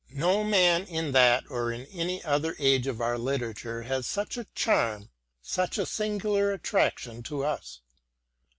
No man in that or in any other age of our literature has such a charm, such a singular attraction for us.